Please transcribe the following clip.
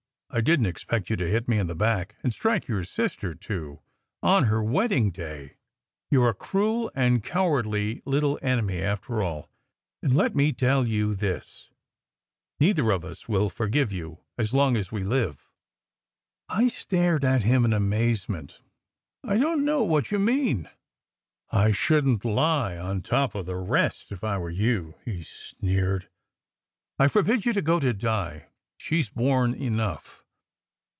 I didn t expect you to hit me in the back and strike your sister, too, on her wedding day. You re a cruel and cowardly little enemy, after all. And let me tell you this: neither of us will forgive you as long as we live." I stared at him in amazement. "I don t know what you mean!" "I shouldn t lie on top of the rest, if I were you," he sneered. "I forbid you to go to Di. She s borne enough.